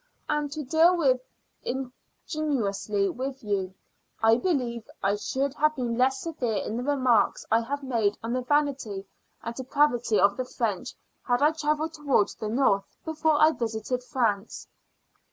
And, to deal ingenuously with you, I believe I should have been less severe in the remarks I have made on the vanity and depravity of the French, had I travelled towards the north before I visited France.